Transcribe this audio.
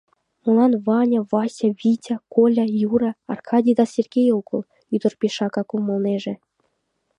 Молан Ваня, Вася, Витя, Коля, Юра, Аркадий да Сергей огыл? — ӱдыр пешакак умылынеже.